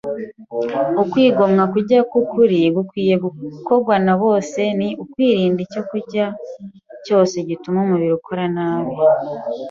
Ukwigomwa kurya k’ukuri gukwiriye gukorwa na bose ni ukwirinda icyokurya cyose gituma umubiri ukora nabi